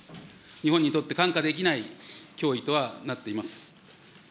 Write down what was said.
日本にとって看過できない脅威とはなっています。